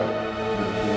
tapi angkanya luar biasa